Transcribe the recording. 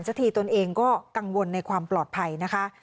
สักทีตนเองก็กังวลในความปลอดภัยนะคะ